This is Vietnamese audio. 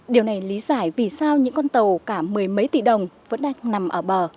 điều này lý giải vì sao những con tàu cả mười mấy tỷ đồng vẫn đang nằm ở bờ